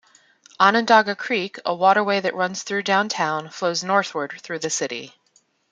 Onondaga Creek, a waterway that runs through downtown, flows northward through the city.